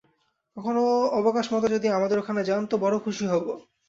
কখনো অবকাশমত যদি আমাদের ওখানে যান তো বড়ো খুশি হব।